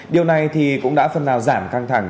điều này thì cũng đã phần nào giảm căng thẳng